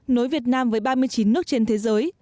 nối việt nam với ba mươi chín nước trên thế giới